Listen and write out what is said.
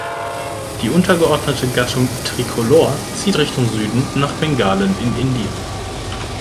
Die untergeordnete Gattung „Tricolor“ zieht Richtung Süden nach Bengalen in Indien.